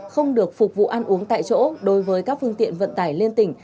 không được phục vụ ăn uống tại chỗ đối với các phương tiện vận tải liên tỉnh